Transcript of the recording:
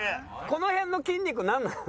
この辺の筋肉なんなの？